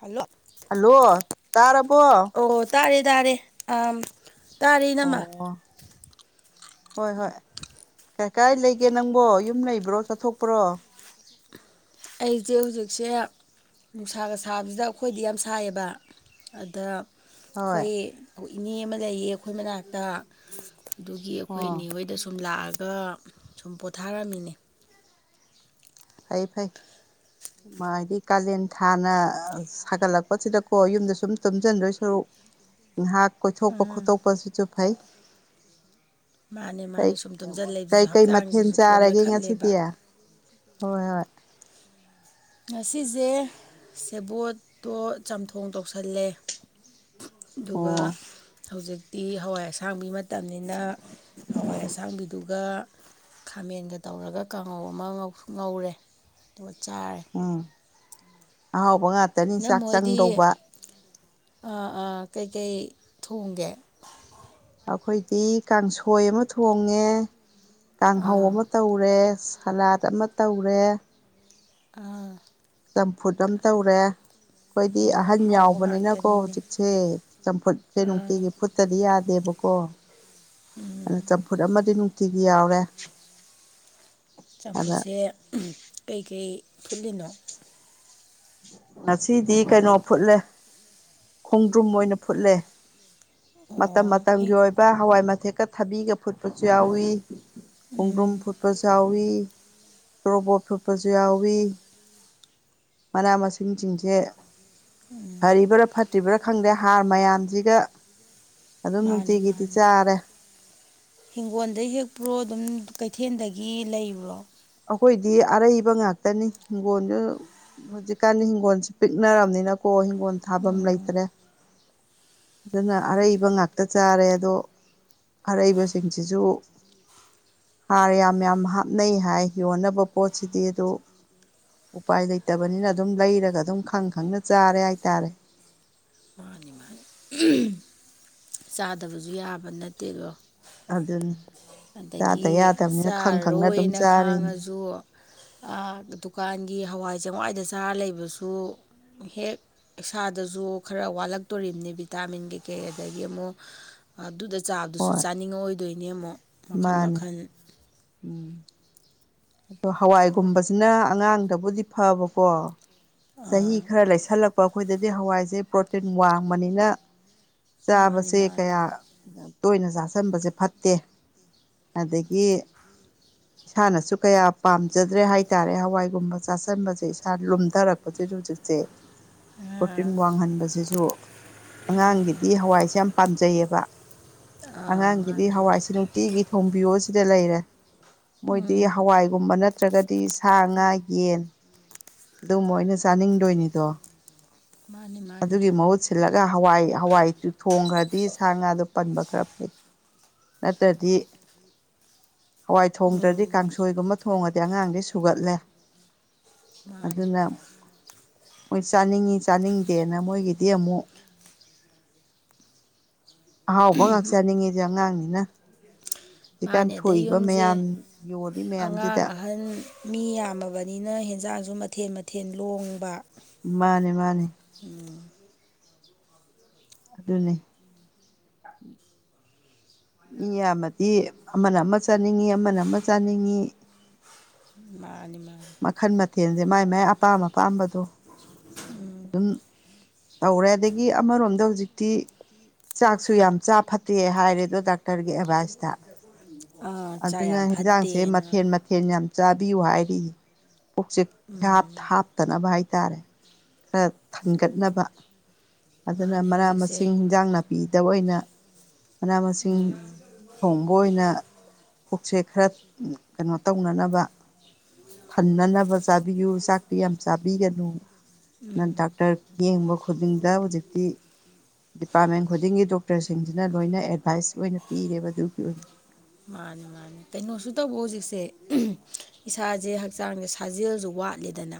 hello hello ꯇꯥꯔꯕꯣ ꯑꯣ ꯇꯥꯔꯦ ꯇꯥꯔꯦ ꯇꯥꯔꯦ ꯎꯝ ꯑꯦꯅꯥꯃ ꯑꯣ ꯍꯣꯏ ꯍꯣꯏ ꯀꯩ ꯀꯥꯏ ꯂꯩꯒꯦ ꯅꯪꯕꯣ ꯌꯨꯝ ꯂꯩꯕ꯭ꯔꯣ ꯆꯠꯊꯣꯛꯄ꯭ꯔꯣ ꯑꯩꯁꯦ ꯍꯧꯖꯤꯛꯁꯦ ꯅꯨꯡꯁꯥꯒ ꯁꯥꯕꯁꯤꯗ ꯑꯩꯈꯣꯏꯗꯤ ꯌꯥꯝ ꯁꯥꯏꯌꯦꯕ ꯑꯗ ꯍꯣꯏ ꯑꯩꯈꯣꯏ ꯏꯅꯦ ꯑꯃ ꯂꯩꯌꯦ ꯑꯩꯈꯣꯏ ꯃꯅꯥꯛꯇ ꯑꯗꯨꯒꯤ ꯑꯩꯈꯣꯏ ꯑꯣ ꯑꯅꯦ ꯍꯣꯏꯗ ꯁꯨꯝ ꯂꯥꯛꯑꯒ ꯁꯨꯝ ꯄꯣꯊꯥꯔꯝꯃꯤꯅꯦ ꯐꯩ ꯐꯩ ꯍꯥꯏꯗꯤ ꯀꯥꯂꯦꯟ ꯊꯥꯅ ꯁꯥꯒꯠꯂꯛꯄꯁꯤꯗꯀꯣ ꯌꯨꯝꯗ ꯁꯨꯝ ꯇꯨꯝꯁꯤꯟꯗꯣꯏ ꯁꯔꯨꯛ ꯉꯥꯏꯍꯥꯛ ꯀꯣꯏꯊꯣꯛꯄ ꯈꯣꯠꯇꯣꯛꯄꯁꯤꯁꯨ ꯐꯩ ꯃꯥꯅꯦ ꯀꯩ ꯃꯥꯅꯦ ꯁꯨꯝ ꯀꯩ ꯇꯨꯝꯁꯤꯜꯂꯛꯗꯨꯁꯨ ꯀꯩ ꯃꯊꯦꯜ ꯍꯛꯆꯥꯡꯁꯤꯁꯨ ꯀꯣꯟ ꯆꯥꯔꯒꯦ ꯉꯁꯤꯗꯤ ꯅꯣꯏꯈꯠꯂꯦꯕ ꯍꯣꯏ ꯍꯣꯏ ꯉꯁꯤꯁꯦ ꯁꯦꯕꯣꯠꯇꯣ ꯆꯥꯝꯊꯣꯡ ꯇꯧꯁꯜꯂꯦ ꯑꯗꯨꯒ ꯑꯣ ꯍꯧꯖꯤꯛꯇꯤ ꯍꯋꯥꯏ ꯑꯁꯥꯡꯕꯤ ꯅꯠꯇꯕꯅꯤꯅ ꯍꯋꯥꯏ ꯑꯁꯥꯡꯕꯤꯗꯨꯒ ꯈꯥꯃꯦꯟꯒ ꯇꯧꯔꯒ ꯀꯥꯡꯉꯧ ꯑꯃ ꯉꯧꯔꯦ ꯑꯗꯨꯒ ꯆꯥꯔꯦ ꯎꯝ ꯑꯍꯥꯎꯕ ꯉꯥꯛꯇꯅꯤ ꯆꯥꯛ ꯆꯪꯗꯧꯕ ꯑꯥ ꯑꯥ ꯀꯩꯀꯩ ꯊꯣꯡꯒꯦ ꯑꯩꯈꯣꯏꯗꯤ ꯀꯥꯡꯁꯣꯏ ꯑꯃ ꯊꯣꯡꯉꯦ ꯀꯥꯡꯍꯧ ꯑꯥ ꯑꯃ ꯇꯧꯔꯦ ꯁꯂꯥꯠ ꯑꯃ ꯇꯧꯔꯦ ꯑꯥ ꯆꯝꯐꯨꯠ ꯑꯃ ꯇꯧꯔꯦ ꯑꯩꯈꯣꯏꯗꯤ ꯑꯣ ꯑꯍꯟ ꯑꯍꯥꯎꯕ ꯌꯥꯎꯕꯅꯤꯅꯀꯣ ꯉꯥꯛꯇꯅꯤꯅꯦ ꯍꯧꯖꯤꯛꯁꯦ ꯆꯝꯐꯨꯠꯁꯦ ꯑꯥ ꯅꯨꯡꯇꯤꯒꯤ ꯐꯨꯠꯇꯗꯤ ꯌꯥꯗꯦꯕꯣ ꯀꯣ ꯎꯝ ꯑꯗꯨ ꯆꯝꯐꯨꯠ ꯑꯃꯗꯤ ꯅꯨꯡꯇꯤꯒꯤ ꯌꯥꯎꯔꯦ ꯑꯗ ꯆꯝꯐꯨꯠꯁꯦ ꯀꯩꯀꯩ ꯐꯨꯠꯂꯤꯅꯣ ꯉꯁꯤꯗꯤ ꯀꯩꯅꯣ ꯐꯨꯠꯂꯦ ꯈꯣꯡꯗ꯭ꯔꯨꯝ ꯑꯣꯏꯅ ꯐꯨꯠꯂꯦ ꯃꯇꯝ ꯑꯣ ꯍꯤ ꯃꯇꯝꯒꯤ ꯑꯣꯏꯕ ꯍꯋꯥꯏ ꯃꯊꯦꯛꯀ ꯊꯕꯤꯒ ꯐꯨꯠꯄꯁꯨ ꯌꯥꯎꯏꯤ ꯈꯣꯡꯗ꯭ꯔꯨꯝ ꯎꯝ ꯐꯨꯠꯄ ꯆꯥꯎꯏꯤ ꯇꯣꯔꯣꯕꯣꯠ ꯊꯨꯠꯄꯁꯨ ꯌꯥꯎꯋꯤ ꯃꯅꯥ ꯃꯁꯤꯡꯁꯤꯡꯁꯦ ꯐꯔꯤꯕ꯭ꯔꯥ ꯐꯠꯇ꯭ꯔꯤꯕ꯭ꯔꯥ ꯈꯪꯗꯦ ꯍꯥꯔ ꯃꯌꯥꯝꯁꯤꯒ ꯑꯗꯨꯝ ꯃꯥꯅꯦ ꯅꯨꯡꯇꯤꯒꯤꯗꯤ ꯃꯥꯅꯦ ꯆꯥꯔꯦ ꯍꯤꯡꯒꯣꯜꯗꯩ ꯍꯦꯛꯄ꯭ꯔꯣ ꯑꯗꯨꯝ ꯀꯩꯊꯦꯜꯗꯒꯤ ꯂꯩꯕ꯭ꯔꯣ ꯑꯩꯈꯣꯏꯗꯤ ꯑꯔꯩꯕ ꯉꯥꯛꯇꯅꯤ ꯍꯤꯡꯒꯣꯣꯟꯁꯨ ꯍꯧꯖꯤꯛꯀꯥꯟ ꯍꯤꯡꯒꯣꯜꯁꯦ ꯄꯤꯛꯅꯔꯕꯅꯤꯅꯀꯣ ꯍꯤꯡꯒꯣꯜ ꯊꯥꯐꯝ ꯎꯝ ꯂꯩꯇ꯭ꯔꯦ ꯑꯗꯨꯅ ꯑꯔꯩꯕ ꯉꯥꯛꯇ ꯆꯥꯔꯦ ꯑꯗꯣ ꯑꯔꯩꯕꯁꯤꯡꯁꯤꯁꯨ ꯍꯥꯔ ꯌꯥꯝ ꯌꯥꯝ ꯍꯥꯞꯅꯩ ꯍꯥꯏ ꯌꯣꯟꯅꯕ ꯄꯣꯠꯁꯤꯗꯤ ꯑꯗꯨ ꯎꯄꯥꯏ ꯂꯩꯇꯕꯅꯤꯅ ꯑꯗꯨꯝ ꯂꯩꯔꯒ ꯑꯗꯨꯝ ꯈꯪ ꯈꯪꯅ ꯆꯥꯔꯦ ꯍꯥꯏꯇꯥꯔꯦ ꯃꯥꯅꯤ ꯃꯥꯅꯤ ꯆꯥꯗꯕꯁꯨ ꯌꯥꯕ ꯅꯠꯇꯦꯗꯣ ꯑꯗꯨꯗ ꯑꯗꯒꯤ ꯈꯪꯅ ꯑꯗꯨꯝ ꯆꯥꯔꯔꯣꯏꯅ ꯆꯥꯔꯤꯅꯤ ꯈꯥꯡꯉꯁꯨ ꯗꯨꯀꯥꯟꯒꯤ ꯍꯋꯥꯏ ꯆꯦꯡꯋꯥꯏꯗ ꯆꯥꯔ ꯂꯩꯕꯁꯨ ꯍꯦꯛ ꯏꯁꯥꯗꯁꯨ ꯈꯔ ꯋꯥꯠꯂꯛꯇꯣꯔꯤꯕꯝꯅꯤ ꯚꯤꯇꯥꯃꯤꯟ ꯀꯩꯀꯩ ꯑꯗꯒꯤ ꯑꯗꯒꯤ ꯑꯃꯨꯛ ꯑꯗꯨꯗ ꯆꯥꯕꯗꯨꯁꯨ ꯍꯣꯏ ꯆꯥꯅꯤꯡꯉꯛꯑꯣꯏꯗꯣꯏꯅꯦ ꯑꯃꯨꯛ ꯃꯈꯟ ꯃꯥꯅꯤ ꯃꯈꯟ ꯎꯝ ꯑꯗꯣ ꯍꯋꯥꯏꯒꯨꯝꯕꯁꯤꯅ ꯑꯉꯥꯡꯗꯕꯨꯗꯤ ꯐꯕꯀꯣ ꯆꯍꯤ ꯑꯥ ꯈꯔ ꯂꯩꯁꯜꯂꯛꯄ ꯑꯩꯈꯣꯏꯗꯗꯤ ꯍꯋꯥꯏꯁꯦ ꯄ꯭ꯔꯣꯇꯤꯟ ꯋꯥꯡꯕꯅꯤꯅ ꯃꯥꯅꯤ ꯆꯥꯕꯁꯦ ꯃꯥꯅꯤ ꯀꯌꯥ ꯇꯣꯏꯅ ꯆꯥꯥꯁꯟꯕꯁꯦ ꯐꯠꯇꯦ ꯑꯗꯒꯤ ꯏꯁꯥꯅꯁꯨ ꯀꯌꯥ ꯄꯥꯝꯖꯗ꯭ꯔꯦ ꯍꯥꯏꯇꯥꯔꯦ ꯍꯋꯥꯏꯒꯨꯝꯕ ꯆꯥꯥꯁꯟꯕꯁꯦ ꯏꯁꯥ ꯂꯨꯝꯊꯔꯛꯄꯗ ꯨꯖꯤꯁꯦ ꯄ꯭ꯔꯣꯔꯇꯤꯟ ꯋꯥꯡꯍꯟꯕꯁꯤꯁꯨ ꯑꯉꯥꯡꯒꯤꯗꯤ ꯍꯋꯥꯏꯁꯦ ꯌꯥꯝ ꯄꯥꯝꯖꯩꯑꯕ ꯑꯥ ꯑꯉꯥꯡꯒꯤꯗꯤ ꯃꯥꯅꯤ ꯃꯥꯅꯤ ꯍꯋꯥꯏꯁꯦ ꯅꯨꯡꯇꯤꯒꯤ ꯊꯣꯝꯕꯤꯌꯣ ꯁꯤꯗ ꯂꯩꯔꯦ ꯃꯣꯏꯗꯤ ꯎꯝ ꯀꯥꯏꯒꯨꯝꯕ ꯅꯠꯇ꯭ꯔꯒꯗꯤ ꯁꯥ ꯉꯥ ꯌꯦꯟ ꯑꯗꯨꯕꯩꯅ ꯆꯥꯅꯤꯡꯗꯣꯏꯅꯤꯗꯣ ꯃꯥꯅꯤ ꯃꯥꯅꯤ ꯑꯗꯨꯒꯤ ꯃꯍꯨꯠ ꯁꯤꯜꯂꯒ ꯍꯋꯥꯏ ꯍꯋꯥꯏ ꯊꯣꯡꯈ꯭ꯔꯗꯤ ꯁꯥ ꯉꯥꯗꯣ ꯄꯟꯕ ꯈꯔ ꯐꯩ ꯅꯠꯇ꯭ꯔꯗꯤ ꯍꯋꯥꯏ ꯊꯣꯡꯗ꯭ꯔꯗꯤ ꯎꯝ ꯀꯥꯡꯁꯣꯏꯒꯨꯝꯕ ꯊꯣꯡꯉꯗꯤ ꯑꯉꯥꯡꯗꯤ ꯁꯨꯒꯠꯂꯦ ꯃꯥꯅꯤ ꯑꯗꯨꯅ ꯃꯣꯏ ꯆꯥꯅꯤꯡꯉꯤ ꯆꯥꯅꯤꯡ ꯗꯦꯅ ꯃꯣꯏꯒꯤꯦꯗꯤꯌꯥꯃꯨ ꯑꯍꯥꯎꯕ ꯉꯥꯛꯆꯅꯤꯡꯉꯤꯁ ꯑꯉꯥꯡꯅꯤꯅ ꯍꯧꯖꯤꯛꯀꯥꯟ ꯃꯥꯅꯦꯗ ꯊꯣꯛꯏꯕ ꯌꯨꯝꯁꯦ ꯃꯌꯥꯝ ꯌꯣꯜꯂꯤ ꯑꯉꯥꯡ ꯃꯌꯥꯝꯁꯤꯗ ꯑꯍꯟ ꯃꯤ ꯌꯥꯝꯃꯕꯅꯤꯅ ꯍꯦꯟꯖꯥꯡꯁꯨ ꯁꯨ ꯃꯊꯦꯜ ꯃꯊꯦꯜ ꯂꯣꯡꯕ ꯃꯥꯅꯦ ꯃꯥꯅꯦ ꯎꯝ ꯑꯗꯨꯗꯅꯤꯦ ꯃꯤ ꯌꯥꯝꯃꯗꯤ ꯑꯃꯅ ꯑꯃ ꯆꯥꯅꯤꯡꯉꯤ ꯑꯃꯅ ꯑꯃ ꯆꯥꯅꯤꯡꯉꯤ ꯃꯥꯅꯤ ꯃꯥ ꯃꯈꯟ ꯃꯊꯦꯜꯁꯦ ꯃꯥꯏ ꯃꯥꯏ ꯑꯄꯥꯝ ꯑꯄꯥꯝꯕꯗꯣ ꯑꯗꯨꯝ ꯇꯧꯔꯦ ꯑꯗꯒꯤ ꯑꯃꯔꯣꯝꯗ ꯍꯧꯖꯤꯛꯇꯤ ꯆꯥꯛꯁꯨ ꯌꯥꯝ ꯆꯥ ꯐꯠꯇꯦ ꯍꯥꯏꯔꯦ ꯑꯗꯣ ꯗ ꯗꯣꯛꯇꯔꯒꯤ ꯑꯕꯥꯖꯇ ꯑꯥ ꯆꯥꯛ ꯑꯗꯨꯅ ꯌꯥꯝ ꯍꯟꯖꯥꯡꯁꯦ ꯐꯠꯇꯦꯅ ꯃꯊꯦꯜ ꯃꯊꯦꯜ ꯌꯥꯝ ꯆꯥꯕꯤꯌꯨ ꯍꯥꯏꯔꯤ ꯀꯣꯛꯆ ꯎꯝ ꯍꯥꯞꯇꯅꯕ ꯍꯥꯏ ꯇꯔꯦ ꯈꯔ ꯊꯟꯒꯠꯅꯕ ꯑꯗꯨꯅ ꯃꯥꯅꯤ ꯃꯅꯥ ꯍꯧꯖꯤꯛꯁꯦ ꯃꯁꯤꯡ ꯍꯤꯟꯖꯥꯡ ꯅꯥꯄꯤꯗ ꯑꯣꯏꯅ ꯃꯅꯥ ꯃꯁꯤꯡ ꯊꯣꯡꯕ ꯑꯣꯏꯅ ꯄꯨꯛꯆꯦꯛ ꯈꯔ ꯀꯩꯅꯣ ꯇꯧꯅꯅꯕ ꯊꯟꯅꯅꯕ ꯆꯥꯕꯤꯌꯨ ꯆꯥꯛ ꯑꯗꯨꯤ ꯌꯥꯝ ꯆꯥꯕꯤꯒꯅꯨ ꯅ ꯗꯥꯛꯇꯔ ꯌꯦꯡꯕ ꯈꯨꯗꯤꯡꯗ ꯍꯧꯖꯤꯛꯇꯤ ꯗꯤꯄꯥꯔꯠꯃꯦꯟ ꯈꯨꯗꯤꯡꯒꯤ ꯗꯣꯛꯇꯔꯁꯤꯡꯁꯤꯅ ꯂꯣꯏꯅ ꯑꯦꯗꯚꯥꯏꯁ ꯑꯣꯏꯅ ꯄꯤꯔꯦꯕ ꯑꯗꯨꯒꯤ ꯑꯣꯏꯅ ꯃꯥꯅꯤ ꯃꯥꯅꯤ ꯀꯩꯅꯣꯁꯨ ꯇꯧꯕ ꯍꯧꯖꯤꯛꯁꯦ ꯏꯁꯥꯁꯦ ꯍꯛꯆꯥꯡꯁꯦ ꯁꯥꯖꯦꯜꯁꯨ ꯋꯥ ꯍꯥꯠꯂꯤꯦꯗꯅ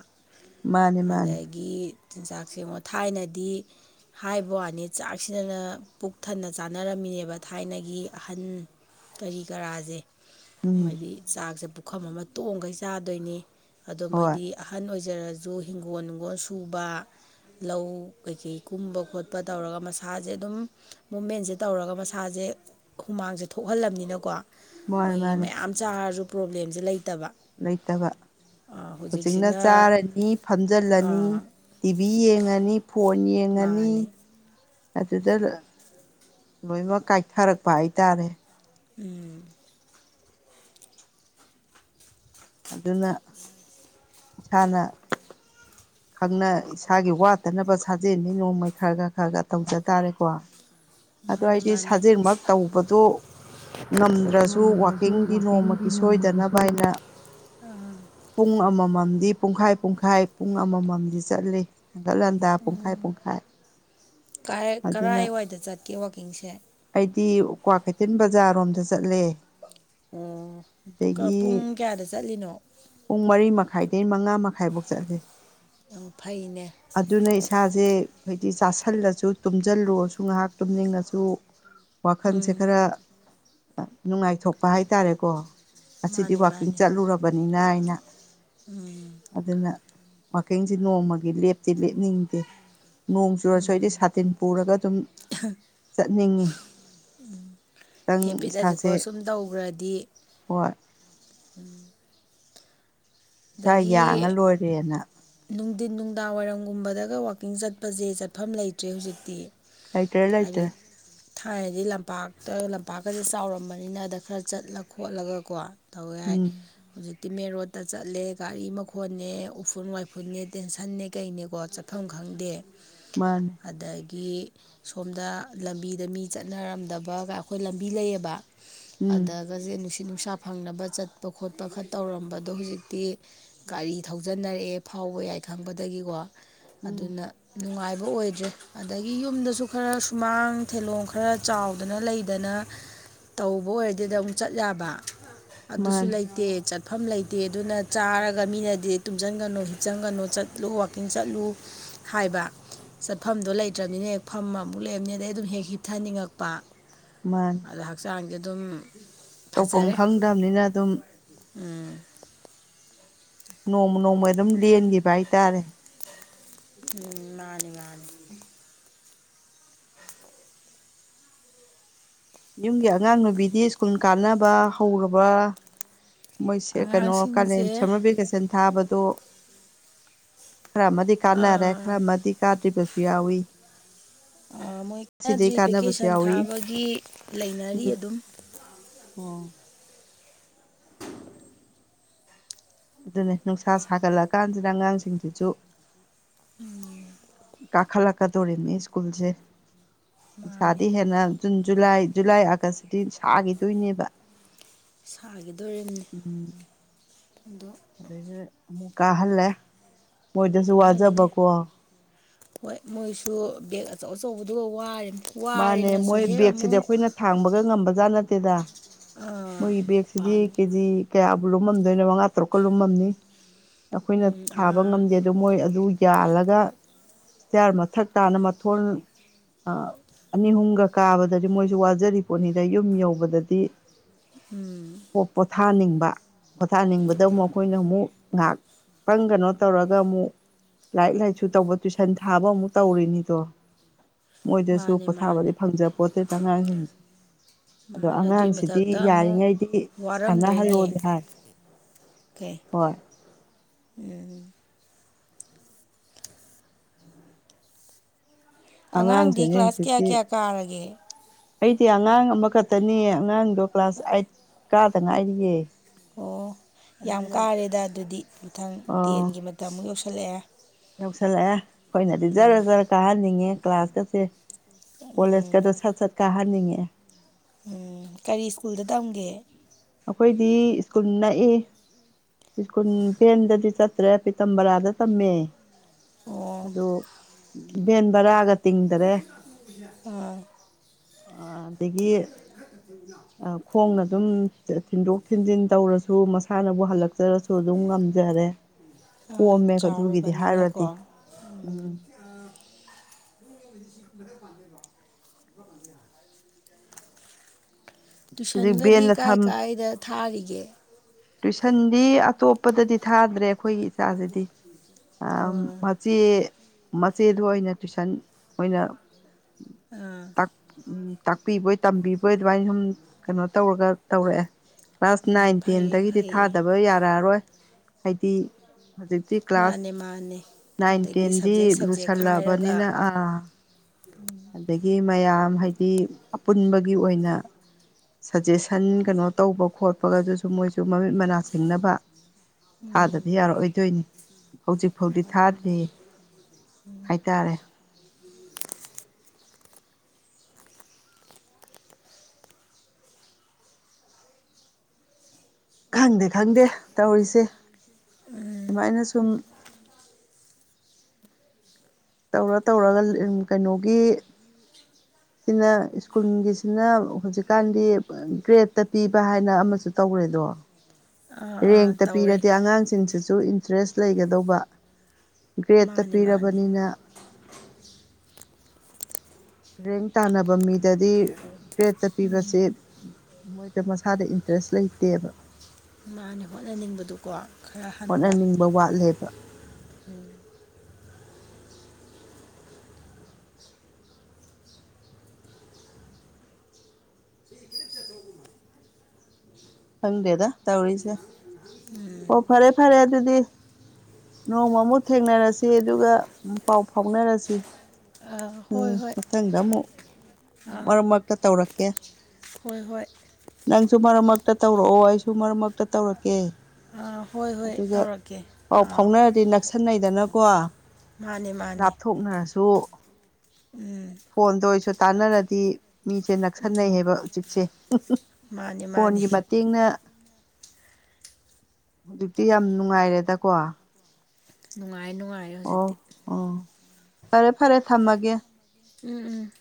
ꯃꯥꯅꯦ ꯃꯥꯅꯦ ꯑꯗꯒꯤ ꯆꯤꯟꯖꯥꯛꯁꯦ ꯑꯃꯉ ꯊꯥꯏꯅꯗꯤ ꯍꯥꯏꯕ ꯋꯥꯅꯤ ꯆꯥꯛꯁꯤꯗꯅ ꯄꯨꯛ ꯊꯟꯅ ꯆꯥꯅꯔꯝꯃꯤ ꯑꯩꯣꯏꯅꯦꯕ ꯊꯥꯏꯅꯒꯤ ꯑꯍꯟ ꯀꯔꯤ ꯀꯔꯥꯁꯦ ꯎꯝ ꯃꯣꯏꯗꯤ ꯆꯥꯛꯁꯦ ꯄꯨꯈꯝ ꯑꯃ ꯇꯣꯡꯈꯩ ꯆꯥꯗꯣꯏꯅꯤ ꯑꯗꯣ ꯍꯣꯏ ꯃꯣꯏꯗꯤ ꯑꯍꯟ ꯑꯣꯏ ꯖꯨ ꯍꯤꯡꯒꯣꯜ ꯅꯨꯡꯒꯣꯜ ꯁꯨꯕ ꯂꯧ ꯀꯩꯀꯩ ꯀꯨꯝꯕ ꯈꯣꯠꯄ ꯇꯧꯔꯒ ꯃꯁꯥꯁꯦ ꯑꯗꯨꯝ ꯃꯨꯞꯃꯦꯟꯁꯦ ꯇꯧꯔꯒ ꯃꯁꯥꯁꯦ ꯍꯨꯃꯥꯡꯍꯕꯅꯤꯅ ꯃꯥꯅꯦ ꯃꯣꯏ ꯃꯥꯅꯦ ꯃꯌꯥꯝ ꯆꯥꯔꯁꯨꯣꯕꯂꯦꯝ ꯂꯩꯇꯕ ꯍꯧꯖꯤꯛꯅ ꯍꯧꯖꯤꯛꯁꯤꯅ ꯆꯥꯔꯅꯤ ꯐꯝꯖꯤꯜꯂꯅꯤ ꯇꯤꯚꯤ ꯌꯦꯡꯉꯅꯤ ꯐꯣꯟ ꯌꯦꯡꯉꯅꯤ ꯃꯥꯅꯤ ꯑꯗꯨꯗ ꯂꯣꯏꯃꯛ ꯀꯥꯏꯊꯔꯛꯄ ꯍꯥꯏꯇꯥꯔꯦ ꯎꯝ ꯑꯗꯨꯅ ꯏꯁꯥꯅ ꯈꯪꯅ ꯏꯁꯥꯒꯤ ꯋꯥꯠꯇꯅꯕ ꯁꯥꯖꯦꯟꯅꯤ ꯅꯣꯡꯃꯩ ꯈꯔ ꯈ ꯈꯔ ꯈ ꯇꯧꯖ ꯇꯥꯔꯦꯀꯣ ꯑꯗꯨ ꯃꯥꯅꯦ ꯑꯩꯗꯤ ꯃꯥꯅꯦ ꯁꯥꯖꯦꯡꯃꯛ ꯇꯧꯕꯗꯨ ꯉꯝꯗ꯭ꯔꯁꯨ ꯉꯝꯗ꯭ꯔꯁꯨ ꯋꯥꯋꯀꯤꯡꯗꯤ ꯋꯥꯛꯀꯤꯡꯗꯤ ꯅꯣꯡꯃꯒꯤ ꯅꯣꯡꯃꯒꯤ ꯁꯣꯏꯗꯅꯕ ꯍꯥꯏꯅ ꯁꯣꯏꯗꯅ ꯄꯨꯡ ꯑꯃꯃꯝꯗꯤ ꯄꯨꯡꯈꯥꯏ ꯄꯨꯡꯈꯥꯏ ꯄꯨꯡ ꯑꯃꯃꯝꯗꯤ ꯆꯠꯂꯤ ꯍꯦꯟꯒꯠꯍꯟꯗꯥ ꯄꯨꯡꯈꯥꯏ ꯄꯨꯡꯈꯥꯏ ꯑꯗꯨꯅ ꯀꯔꯥꯏꯋꯥꯏꯗ ꯆꯠꯀꯦ ꯋꯥꯛꯀꯤꯡꯁꯦ ꯁꯤꯤ ꯀ꯭ꯋꯥ ꯀꯩꯊꯦꯜ ꯕꯖꯥꯔ ꯔꯣꯝꯗ ꯆꯠꯂꯦ ꯑꯣ ꯑꯗꯒꯤ ꯄꯨꯡ ꯀꯌꯥꯗ ꯆꯠꯂꯤꯅꯣ ꯄꯨꯡ ꯃꯔꯤ ꯃꯈꯥꯏ ꯃꯉꯥ ꯃꯈꯥꯏꯐꯥꯎ ꯆꯠꯂꯦ ꯑꯣ ꯐꯩꯅꯦ ꯑꯗꯨꯅ ꯏꯁꯥꯁꯦ ꯆꯥꯁꯜꯂꯁꯨ ꯇꯨꯝꯁꯤꯜꯂꯨꯔꯁꯨ ꯉꯥꯏꯍꯥꯛ ꯇꯨꯝꯅꯤꯡꯉꯁꯨ ꯋꯥꯈꯜꯁꯦ ꯎꯝ ꯈꯔ ꯅꯨꯡꯉꯥꯏꯊꯣꯛꯄ ꯍꯥꯏꯇꯥꯔꯦꯀꯣ ꯑꯁꯤꯗꯤ ꯃꯥꯅꯦ ꯋꯥꯛꯀꯤꯡ ꯃꯥꯅꯦ ꯆꯠꯂꯨꯔꯕꯅꯤꯅ ꯑꯩꯅ ꯎꯝ ꯋꯥꯀꯤꯡꯁꯦ ꯅꯣꯡꯃꯒꯤ ꯂꯦꯞꯇꯤ ꯂꯦꯞꯅꯤꯡꯗꯦ ꯅꯣꯡ ꯆꯨꯔꯁꯨ ꯑꯩꯗꯤ ꯁꯥꯇꯤꯟ ꯄꯨꯔꯒ ꯑꯗꯨꯝ ꯆꯠꯅꯤꯡꯉꯤ ꯈꯤꯇꯪ ꯍꯦꯕꯤꯠ ꯑꯖꯦꯀꯣ ꯏꯁꯥꯁꯦ ꯁꯨꯝ ꯇꯧꯒ꯭ꯔꯗꯤ ꯍꯣꯏ ꯏꯁꯥ ꯌꯥꯡꯉ ꯂꯣꯏꯔꯦꯅ ꯇꯤꯟ ꯅꯨꯡꯗꯥꯡ ꯋꯥꯏꯔꯝꯒꯨꯝꯕꯗꯒ ꯋꯥꯛꯀꯤꯡ ꯆꯠꯄꯖꯦ ꯆꯠꯐꯝ ꯂꯩꯇ꯭ꯔꯦ ꯍꯧꯖꯤꯛꯇꯤ ꯂꯩꯇ꯭ꯔꯦ ꯍꯥꯏꯗꯤ ꯂꯩꯇ꯭ꯔꯦ ꯊꯥꯏꯅꯗꯤ ꯂꯝꯄꯥꯛꯇ ꯂꯝꯄꯥꯛꯀꯁꯦ ꯆꯥꯎꯔꯝꯕꯅꯤꯅ ꯑꯗ ꯈꯔ ꯆꯠꯂ ꯈꯣꯠꯂꯒ ꯀꯣ ꯇꯧ ꯌꯥꯢ ꯎꯝ ꯍꯧꯖꯤꯛꯇꯤ ꯃꯦꯟ ꯔꯣꯠꯇ ꯆꯠꯂꯦ ꯒꯥꯔꯤ ꯃꯈꯣꯟꯅꯦ ꯎꯐꯨꯟ ꯋꯥꯏꯐꯨꯟꯅꯦ ꯇꯦꯟꯁꯟꯅꯦ ꯀꯩꯅꯦꯀꯣ ꯆꯠꯐꯝ ꯈꯪꯗꯦ ꯃꯥꯅꯤ ꯒꯤ ꯁꯣꯝꯗ ꯂꯝꯕꯤꯗ ꯃꯤ ꯆꯠꯅꯔꯝꯗꯕꯒ ꯑꯩꯈꯣꯏ ꯂꯝꯕꯤ ꯂꯩꯌꯦꯕ ꯎꯝ ꯑꯗꯒꯁꯦ ꯅꯨꯡꯁꯤꯠ ꯅꯨꯡꯁꯥ ꯐꯪꯅꯕ ꯆꯠꯄ ꯈꯣꯠꯄ ꯈꯔ ꯇꯧꯔꯝꯕꯗꯣ ꯍꯧꯖꯤꯛꯇꯤ ꯇꯤ ꯒꯥꯔꯤ ꯊꯧꯖꯟꯅꯔꯥꯑꯦ ꯐꯥꯎꯕ ꯌꯥꯏ ꯈꯪꯕꯗꯒꯤꯀꯣ ꯎꯝ ꯑꯗꯨꯅ ꯅꯨꯡꯉꯥꯏ ꯕꯑꯣꯏꯗ꯭ꯔꯦ ꯑꯗꯒꯤ ꯌꯨꯝꯗꯁꯨ ꯈꯔ ꯁꯨꯃꯥꯡ ꯊꯤꯂꯣꯡ ꯈꯔ ꯆꯥꯎꯗꯅ ꯂꯩꯗꯅ ꯇꯧꯕ ꯑꯣꯏꯔꯗꯤꯗ ꯑꯃꯨꯛ ꯆꯠ ꯌꯥꯕ ꯑꯗꯨꯁꯨ ꯃꯥꯅꯤ ꯂꯩꯇꯦ ꯆꯠꯐꯝ ꯂꯩꯇꯦ ꯑꯗꯨꯅ ꯆꯥꯔꯒ ꯃꯤꯅꯗꯤ ꯇꯨꯝꯁꯤꯟꯒꯅꯨ ꯍꯤꯞꯆꯟꯒꯅꯨ ꯆꯠꯂꯨ ꯋꯥꯀꯤꯡ ꯆꯠꯂꯨ ꯍꯥꯏꯕ ꯆꯠꯐꯝꯗꯣ ꯂꯩꯇ꯭ꯔꯕꯅꯤꯅ ꯍꯦꯛ ꯐꯝꯃꯨꯛ ꯂꯩꯔꯝꯅꯤ ꯑꯗꯩ ꯑꯗꯨꯝ ꯍꯦꯛ ꯍꯤꯞꯊꯅꯤꯡꯉꯛꯄ ꯃꯥꯅꯤ ꯑꯗ ꯍꯛꯆꯥꯡꯖꯦ ꯑꯗꯨꯝ ꯇꯧꯐꯝ ꯐꯖꯔꯦ ꯈꯪꯗꯝꯅꯤꯅ ꯑꯗꯨꯝ ꯎꯝ ꯅꯣꯡꯃ ꯅꯣꯡꯃ ꯑꯗꯨꯝ ꯂꯦꯟꯒꯤꯕ ꯍꯥꯏꯇꯥꯔꯦ ꯎꯝ ꯃꯅꯤ ꯃꯅꯤ ꯌꯨꯝꯒꯤ ꯑꯉꯥꯡ ꯅꯨꯕꯤꯗꯤ ꯁ꯭ꯀꯨꯜ ꯀꯥꯟꯅꯕ ꯍꯧꯔꯕ ꯃꯣꯏꯁꯦ ꯀꯩꯅꯣ ꯀꯥꯂꯦꯟ ꯑꯉꯥꯡꯁꯤꯡꯁꯦ ꯁꯃꯔ ꯚꯦꯀꯦꯁꯟ ꯊꯥꯕꯗꯣ ꯈꯔ ꯑꯃꯗꯤ ꯀꯥꯟꯅꯔꯦ ꯈꯔ ꯑꯃꯗꯤ ꯀꯥꯗ꯭ꯔꯤꯕꯁꯨ ꯌꯥꯎꯋꯤ ꯃꯣꯏ ꯆꯗ꯭ꯔꯤ ꯚꯦꯀꯦꯁꯟ ꯌꯥꯎꯏ ꯊꯥꯕꯒꯤ ꯂꯩꯅꯔꯤ ꯎꯝ ꯑꯗꯨꯝ ꯑꯣ ꯑꯗꯨꯅꯦ ꯅꯨꯡꯁꯥ ꯁꯥꯒꯠꯂꯛꯑꯀꯥꯟꯁꯤꯗ ꯑꯉꯥꯡꯁꯤꯡꯁꯤꯁꯨ ꯎꯝ ꯀꯈꯠꯂꯛꯀꯗꯣꯅꯤ ꯁ꯭ꯀꯨꯨꯜꯂꯦ ꯃꯥꯅꯤ ꯄꯦꯈꯥꯗꯤ ꯍꯦꯟꯅ ꯖꯨꯟ ꯖꯨꯂꯥꯏ ꯖꯨꯂꯥꯏ ꯑꯥꯒꯁꯇꯤ ꯁꯥꯈꯤꯗꯣꯏꯅꯦꯕ ꯁꯥꯒꯗꯣꯔꯤꯝꯅꯤ ꯎꯝ ꯑꯗꯣ ꯑꯗꯩꯗꯨꯗ ꯑꯃꯨꯛ ꯀꯥꯍꯜꯂꯦ ꯃꯣꯏꯗꯁꯨ ꯀꯥꯍꯜꯂꯦ ꯋꯥꯖꯕꯀꯣ ꯍꯣꯏ ꯃꯣꯏꯁꯨ ꯕꯦꯒ ꯑꯆꯧ ꯑꯆꯧꯕꯗꯨꯒ ꯋꯥꯔꯤꯅꯦ ꯃꯥꯅꯦ ꯃꯣꯏ ꯕꯦꯒꯁꯤꯗꯤ ꯑꯩꯈꯣꯏꯅ ꯊꯥꯡꯕꯒ ꯉꯝꯕꯖꯥꯠ ꯅꯠꯇꯦꯗ ꯃꯣꯏ ꯕꯦꯛꯁꯤꯗꯤ ꯀꯦꯖꯤ ꯀꯌꯥ ꯂꯨꯝꯃꯝꯗꯣꯏꯅ ꯃꯉꯥ ꯇꯔꯨꯛꯀ ꯂꯨꯝꯃꯝꯅꯤ ꯑꯩꯈꯣꯏꯅ ꯊꯥꯕ ꯑꯉꯥꯡ ꯉꯝꯗꯦ ꯑꯗꯨ ꯃꯣꯏ ꯑꯗꯨ ꯌꯥꯜꯂꯒ ꯏ꯭ꯁꯇꯔ ꯃꯊꯛ ꯇꯥꯅ ꯃꯊꯣꯟ ꯑ ꯑꯅꯤ ꯑꯍꯨꯝꯒ ꯀꯥꯕꯗꯗꯤ ꯃꯣꯏꯁꯨ ꯋꯥꯖꯔꯤ ꯄꯣꯠꯅꯤꯗ ꯌꯨꯝ ꯌꯧꯕꯗꯗꯤ ꯎꯝ ꯄꯣꯊꯥꯅꯤꯡ ꯄꯣꯊꯥꯅꯤꯡꯕꯗ ꯑꯃꯨꯛ ꯑꯩꯈꯣꯏꯅ ꯑꯃꯨꯛ ꯉꯥꯏꯍꯥꯛ ꯇꯪ ꯀꯩꯅꯣ ꯇꯧꯔꯒ ꯑꯃꯨꯛ ꯂꯥꯏꯔꯤꯛ ꯂꯥꯏꯔꯤꯛꯁꯨ ꯇꯧꯕ ꯇꯨꯏꯁꯟ ꯊꯥꯕ ꯑꯃꯨꯛ ꯇꯧꯔꯤꯅꯤꯗꯣ ꯃꯣꯏꯗꯁꯨ ꯃꯥꯅꯦ ꯃꯥꯅꯦ ꯄꯣꯊꯥꯕꯗꯤ ꯐꯪꯖꯄꯣꯟꯇꯩꯗ ꯑꯉꯥꯡꯁꯤꯡꯁꯦ ꯑꯗꯣ ꯃꯥꯅꯦ ꯑꯗꯨꯒꯤ ꯑꯉꯥꯡꯁꯤꯗꯤ ꯃꯊꯛꯇ ꯑꯃꯨꯛ ꯌꯥꯔꯤꯉꯩꯗꯤ ꯁꯥꯟꯅꯍꯟꯂꯣꯗ ꯍꯥꯏ ꯀꯦ ꯍꯣꯏ ꯎꯝ ꯑꯉꯥꯡꯗꯤ ꯑꯉꯥꯡꯁꯨꯅꯦ ꯀ꯭ꯂꯥꯁ ꯀꯌꯥ ꯍꯧꯖꯤꯛꯇꯤ ꯀꯌꯥ ꯀꯥꯔꯒꯦ ꯑꯩꯗꯤ ꯑꯉꯥꯡ ꯑꯃꯈꯛꯇꯅꯤ ꯑꯉꯥꯡꯗꯣ ꯀ꯭ꯂꯥꯁ ꯑꯥꯏꯠ ꯀꯥꯗ ꯉꯥꯏꯔꯤꯌꯦꯦ ꯑꯣ ꯌꯥꯝ ꯀꯥꯔꯦꯗ ꯑꯗꯨꯗꯤ ꯃꯅꯨꯡꯊꯪ ꯑꯣ ꯇꯦꯟꯒꯤ ꯃꯇꯝꯃꯨꯛ ꯌꯧꯁꯤꯜꯂꯛꯑꯦ ꯌꯧꯁꯜꯂꯛꯑꯦ ꯑꯩꯈꯣꯏꯅꯗꯤ ꯖꯔ ꯖꯔ ꯀꯥꯍꯟꯅꯤꯡꯉꯦ ꯀ꯭ꯂꯥꯁꯀꯁꯦ ꯀꯣꯂꯦꯖꯀꯗꯣ ꯁꯠ ꯁꯠ ꯀꯥꯍꯟꯅꯤꯡꯉꯦ ꯎꯝ ꯀꯔꯤ ꯁ꯭ꯀꯨꯜꯗ ꯇꯝꯒꯦ ꯑꯩꯈꯣꯏꯗꯤ ꯁ꯭ꯀꯨꯜ ꯅꯛꯏ ꯁꯀꯨꯜ ꯐꯦꯟꯗꯗꯤ ꯆꯠꯇ꯭ꯔꯦ ꯍꯥꯏ ꯄꯤꯇ ꯕꯔꯥꯗ ꯇꯝꯃꯦ ꯑꯣ ꯑꯗꯣ ꯦꯟꯦꯟꯕꯔꯒ ꯑꯣ ꯑꯗꯒꯤ ꯈꯣꯡꯅ ꯑꯗꯨꯝ ꯊꯤꯟꯗꯣꯛ ꯊꯤꯟꯖꯤꯟ ꯇꯧꯔꯁꯨ ꯃꯁꯥꯅꯕꯨ ꯍꯜꯂꯛꯆꯔꯁꯨ ꯑꯗꯨꯝ ꯉꯝꯖꯔꯦ ꯀꯣꯝꯃꯦ ꯑꯗꯨꯒꯤꯗꯤ ꯍꯥꯏꯔꯨꯔꯗꯤ ꯆꯥꯎꯔꯕꯅꯤꯅꯀꯣ [unintelligible] ꯎꯝ ꯍꯧꯖꯤꯛ ꯇꯨꯏꯁꯟꯒꯗꯤ ꯕꯦꯟꯗ ꯀꯥꯏ ꯊꯝ ꯀꯥꯏꯗ ꯊꯥꯔꯤꯒꯦ ꯇꯨꯏꯁꯟꯗꯤ ꯑꯇꯣꯞꯄꯗꯗꯤ ꯊꯥꯗ꯭ꯔꯦ ꯑꯩꯈꯣꯏꯒꯤ ꯏꯆꯥꯁꯤꯗꯤ ꯑꯣ ꯃꯆꯦ ꯃꯆꯦꯗꯨ ꯑꯣꯏꯅ ꯇꯨꯏꯁꯟ ꯑꯣꯏꯅ ꯑꯥ ꯇ ꯇꯥꯛꯄꯤꯕꯣꯏ ꯇꯝꯕꯤꯕꯣꯏ ꯑꯗꯨꯃꯥꯏꯅ ꯁꯨꯝ ꯀꯩꯅꯣ ꯇꯧꯔꯒ ꯇꯧꯔꯛꯑꯦ ꯀ꯭ꯂꯥꯁ ꯅꯥꯏꯟ ꯎꯝ ꯐꯩꯌꯦ ꯇꯦꯟꯗꯒꯤ ꯗꯤ ꯐꯩꯌꯦ ꯊꯥꯗꯕ ꯌꯥꯔꯛꯑꯔꯣꯏ ꯍꯥꯏꯗꯤ ꯍꯧꯖꯤꯛꯇꯤ ꯀ꯭ꯂꯥꯁ ꯃꯥꯅꯦ ꯃꯥꯅꯦ ꯅꯥꯏꯟ ꯑꯗꯒꯤ ꯇꯦꯟꯗꯤ ꯁꯕꯖꯦꯛ ꯁꯕꯖꯦꯛ ꯈꯥꯏꯔꯒ ꯂꯨꯁꯜꯂꯛꯑꯕꯅꯤꯅ ꯑ ꯑꯗꯒꯤ ꯃꯌꯥꯝ ꯍꯥꯏꯗꯤ ꯑꯄꯨꯟꯕꯒꯤ ꯑꯣꯏꯅ ꯁꯖꯦꯁꯟ ꯀꯩꯅꯣ ꯇꯧꯕ ꯈꯣꯠꯄꯒ ꯑꯗꯨꯁꯨ ꯃꯣꯏꯁꯨ ꯃꯃꯤꯠ ꯃꯅꯥ ꯁꯤꯡꯅꯕ ꯊꯥꯗꯗꯤ ꯌꯥꯔꯛꯑꯣꯏꯗꯣꯏꯅꯤ ꯍꯧꯖꯤꯛ ꯐꯥꯎꯗꯤ ꯃꯥꯅꯦ ꯊꯥꯗ꯭ꯔꯤ ꯃꯥꯅꯦ ꯍꯥꯏꯇꯥꯔꯦ ꯈꯪꯗꯦ ꯈꯪꯗꯦ ꯇꯧꯔꯤꯁꯦ ꯁꯨꯃꯥꯏꯩꯅ ꯁꯨꯝ ꯇꯧꯔ ꯇꯧꯔꯒ ꯀꯩꯅꯣꯒꯤ ꯁꯤꯅ ꯁ꯭ꯀꯨꯜꯒꯤꯁꯤꯅ ꯍꯧꯖꯤꯛꯀꯥꯟꯗꯤ ꯒ꯭ꯔꯦꯠꯇ ꯄꯤꯕ ꯍꯥꯏꯅ ꯑꯃꯁꯨ ꯇꯧꯔꯦ ꯑꯣꯏꯗꯣ ꯑ ꯔꯦꯡꯇ ꯄꯤꯔꯗꯤ ꯑꯉꯥꯡꯁꯤꯡꯁꯤꯁꯨ ꯏꯟꯇꯔꯦꯁ ꯂꯩꯒꯗꯧꯕ ꯒ꯭ꯔꯦꯠꯇ ꯃꯥꯅꯦ ꯃꯥꯅꯦ ꯄꯤꯔꯕꯅꯤꯅ ꯔꯦꯡ ꯇꯥꯟꯅꯕ ꯃꯤꯗꯗꯤ ꯒ꯭ꯔꯦꯗꯠꯇ ꯄꯤꯕꯁꯦ ꯃꯣꯏꯗ ꯃꯁꯥꯗ ꯏꯟꯇꯔꯦꯁ ꯂꯩꯇꯦꯕ ꯃꯥꯅ ꯍꯣꯠꯅꯅꯤꯡꯕꯗꯨꯀꯣ ꯈꯔ ꯍꯟꯕ ꯍꯣꯠꯅꯅꯤꯡꯕ ꯋꯥꯠꯂꯦꯕ ꯈꯪꯗꯦꯗ ꯇꯧꯔꯤꯁꯦ ꯑꯣ ꯐꯔꯦ ꯐꯔꯦ ꯑꯗꯨꯗꯤ ꯅꯣꯡꯃꯃꯨꯛ ꯊꯦꯡꯅꯔꯁꯤ ꯑꯗꯨꯒ ꯄꯥꯎ ꯐꯥꯎꯅꯔꯁꯤ ꯑꯥ ꯎꯝ ꯍꯣꯏ ꯍꯣꯏ ꯃꯊꯪꯗ ꯑꯃꯨꯛ ꯑꯥ ꯃꯔꯛ ꯃꯔꯛꯇ ꯇꯧꯔꯛꯀꯦ ꯍꯣꯏ ꯍꯣꯏ ꯅꯪꯁꯨ ꯃꯔꯛ ꯃꯔꯛꯇ ꯇꯧꯔꯛꯑꯣ ꯑꯩꯁꯨ ꯃꯔꯛ ꯃꯔꯛꯇ ꯇꯧꯔꯛꯀꯦ ꯑꯥ ꯍꯣꯏ ꯍꯣꯏ ꯇꯧꯔꯛꯀꯦ ꯑꯥ ꯍꯧꯥꯎꯅꯔꯗꯤ ꯅꯛꯁꯤꯟꯅꯩꯗꯅꯀꯣ ꯃꯥꯅꯦ ꯃꯥꯅꯦ ꯁꯨ ꯎꯝ ꯐꯣꯟꯗ ꯑꯣꯏꯁꯨ ꯇꯥꯟꯅꯔꯗꯤ ꯃꯤꯁꯦ ꯅꯛꯁꯟꯅꯩ ꯎꯝ ꯍꯥꯏꯕ ꯎꯆꯛꯁꯦ ꯃꯥꯅꯦ ꯃꯥꯅꯦ ꯐꯣꯟꯒꯤ ꯃꯇꯦꯡꯅ ꯍꯧꯖꯤꯛꯇꯤ ꯌꯥꯝ ꯅꯨꯡꯉꯥꯏꯔꯦꯗꯀꯣ ꯍꯥꯏꯦ ꯑꯣ ꯍꯧꯖꯤꯛꯇꯤ ꯑꯣ ꯐꯔꯦ ꯐꯔꯦ ꯊꯝꯃꯒꯦ ꯎꯝ ꯎꯝ